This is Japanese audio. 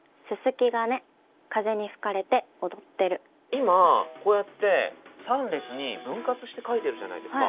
今こうやって３列に分割して書いてるじゃないですか。